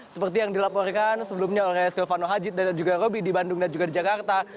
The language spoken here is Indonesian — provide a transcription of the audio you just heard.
seperti yang dilaporkan sebelumnya oleh silvano haji dan juga roby di bandung dan juga di jakarta